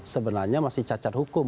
sebenarnya masih cacat hukum